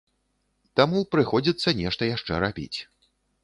Таму прыходзіцца нешта яшчэ рабіць.